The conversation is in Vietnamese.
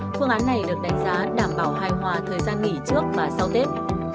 phương án này được đánh giá đảm bảo hài hòa thời gian nghỉ trước và sau tết